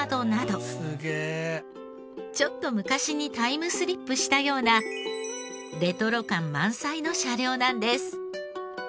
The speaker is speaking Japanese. ちょっと昔にタイムスリップしたようなレトロ感満載の車両なんです。